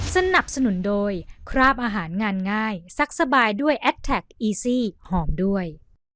สนับสนุนโดยคราบอาหารงานง่ายซักสบายด้วยแอดแท็กอีซี่หอมด้วย